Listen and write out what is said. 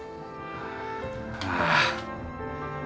ああ。